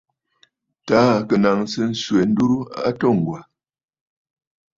Taà kɨ naŋsə swɛ̌ ndurə a atû Ŋgwà.